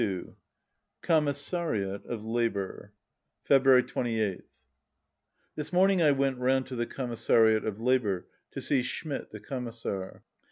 169 COMMISSARIAT OF LABOUR February 28th. This morning I went round to the Commissariat of Labour, to see Schmidt, the Commissar.